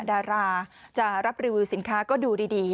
ดาราจะรับรีวิวสินค้าก็ดูดี